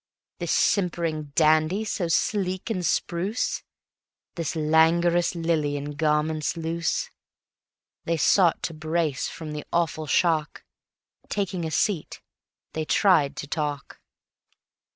This simpering dandy, so sleek and spruce; This languorous lily in garments loose; They sought to brace from the awful shock: Taking a seat, they tried to talk.